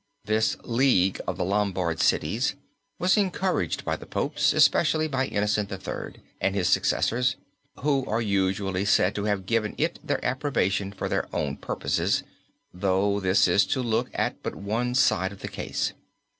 This League of the Lombard cities was encouraged by the popes especially by Innocent III. and his successors who are usually said to have given it their approbation for their own purposes, though this is to look at but one side of the case.